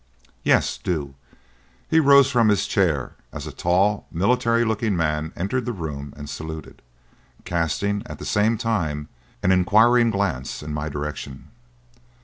"Yes, do." He rose from his chair as a tall, military looking man entered the room and saluted, casting, at the same time, an inquiring glance in my direction.